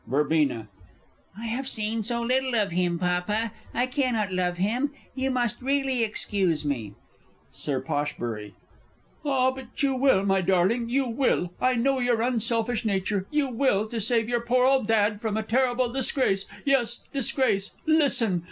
Verb. I have seen so little of him, Papa, I cannot love him you must really excuse me! Sir P. Ah, but you will, my darling, you will I know your unselfish nature you will, to save your poor old dad from a terrible disgrace ... yes, disgrace, listen!